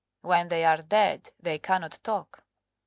When they are dead they cannot talk."